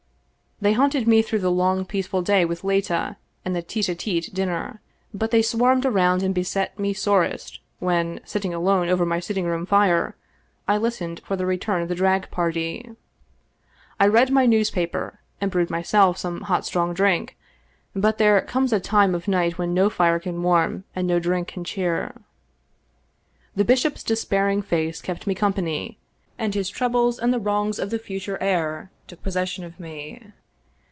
They haunted me through the long peaceful day with Leta and the tete a tete dinner, but they swarmed around and beset me sorest when, sitting alone over my sitting room fire, I listened for the return of the drag party. I read my newspaper and brewed myself some hot strong drink, but there comes a time of night when no fire can warm and no drink can cheer. The bishop's despairing face kept me company, and his troubles and the wrongs of the future heir took possession of me.